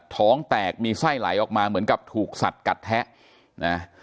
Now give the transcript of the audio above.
ท้องแตกมีไส้ไหลออกมาเหมือนกับถูกสัดกัดแทะนะ